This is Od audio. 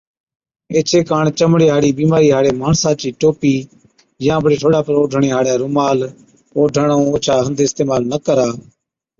ايڇي ڪاڻ چمڙي هاڙِي بِيمارِي هاڙي ماڻسا چِي ٽوپِي يان بڙي ٺوڏا پر اوڍڻي هاڙَي رومال، اوڍڻ ائُون اوڇا هنڌ اِستعمال نہ ڪرا۔